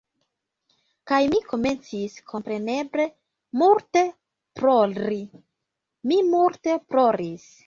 Kaj mi komencis kompreneble multe plori. Mi multe ploris.